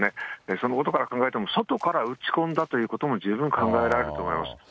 その音から考えても、外から撃ち込んだということも十分考えられると思います。